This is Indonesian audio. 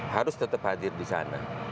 harus tetap hadir di sana